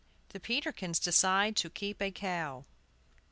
THE PETERKINS DECIDE TO KEEP A COW.